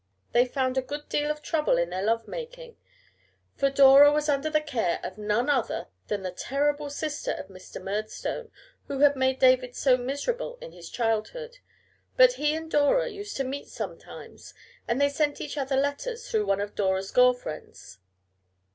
They found a good deal of trouble in their love making, for Dora was under the care of none other than the terrible sister of Mr. Murdstone, who had made David so miserable in his childhood, but he and Dora used to meet sometimes, and they sent each other letters through one of Dora's girl friends.